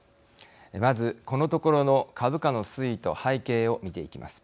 まずこのところの株価の推移と背景を見ていきます。